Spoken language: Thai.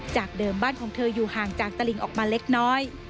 จากเดิมบ้านของเธออยู่ห่างจากตลิงออกมาเล็กน้อย